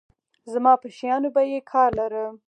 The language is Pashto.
زما په شيانو به يې کار لاره.